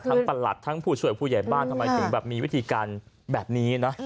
ประหลัดทั้งผู้ช่วยผู้ใหญ่บ้านทำไมถึงแบบมีวิธีการแบบนี้นะ